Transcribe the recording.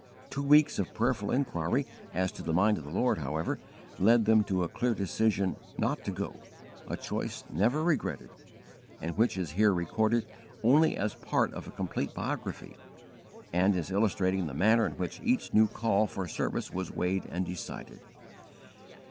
Two weeks of prayerful inquiry as to the mind of the Lord, however, led them to a clear decision not to go a choice never regretted, and which is here recorded only as part of a complete biography, and as illustrating the manner in which each new call for service was weighed and decided.